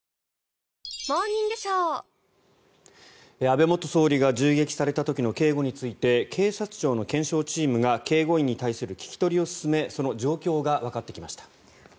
安倍元総理が銃撃された時の警護について警察庁の検証チームが警護員に対する聞き取りを進めその状況がわかってきました。